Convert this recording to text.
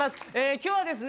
今日はですね